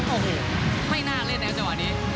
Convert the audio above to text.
โอ้โหไม่น่าเล่นในจังหวะนี้